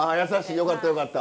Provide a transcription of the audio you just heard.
よかったよかった。